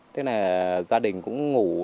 thế này gia đình cũng ngủ